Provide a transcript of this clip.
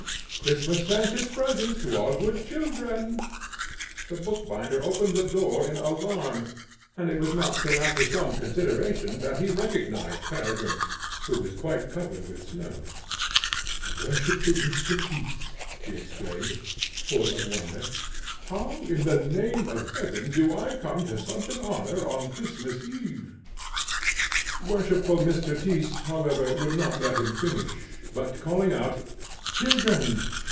Christmas sends his presents to all good children." The bookbinder opened the door in alarm, and it was not till after some consideration that he recognised Peregrine, who was quite covered with snow. "Worshipful Mr. Tyss!" he exclaimed, full of wonder "How in the name of Heaven do I come to such an honour on Christmas Eve?" Worshipful Mr. Tyss, however, would not let him finish, but calling out, "Children!